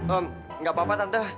om gak apa apa tante